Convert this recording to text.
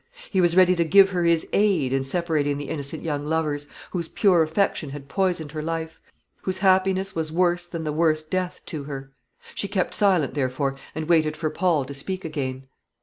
He was ready to give her his aid in separating the innocent young lovers, whose pure affection had poisoned her life, whose happiness was worse than the worst death to her. She kept silent, therefore, and waited for Paul to speak again.